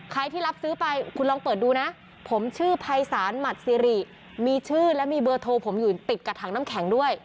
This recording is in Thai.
ใครที่รับซื้อไปคุณลองเปิดดูนะผมชื่อภัยศาลหมัดซิริมีชื่อและมีเบอร์โทรผมอยู่ติดกับถังน้ำแข็งด้วย